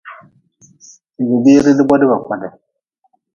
Lugʼbire de bodi ba kodi.